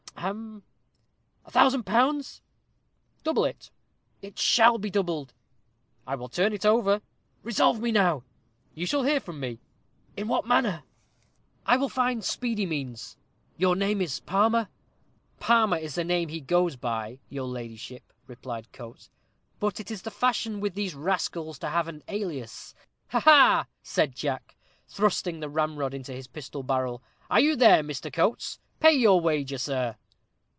"Hem!" "A thousand pounds?" "Double it." "It shall be doubled." "I will turn it over." "Resolve me now." "You shall hear from me." "In what manner?" "I will find speedy means." "Your name is Palmer?" "Palmer is the name he goes by, your ladyship," replied Coates, "but it is the fashion with these rascals to have an alias." "Ha! ha!" said Jack, thrusting the ramrod into his pistol barrel, "are you there, Mr. Coates? Pay your wager, sir."